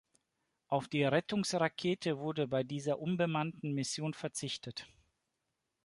Auf die Rettungsrakete wurde bei dieser unbemannten Mission verzichtet.